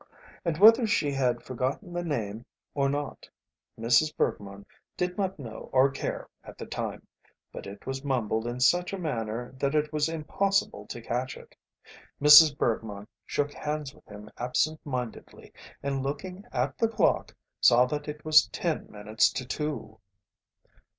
And whether she had forgotten the name or not, Mrs. Bergmann did not know or care at the time, but it was mumbled in such a manner that it was impossible to catch it. Mrs. Bergmann shook hands with him absent mindedly, and, looking at the clock, saw that it was ten minutes to two.